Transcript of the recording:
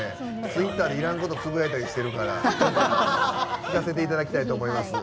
ツイッターでいらんことつぶやいたりしてるから聴かせていただきたいと思います。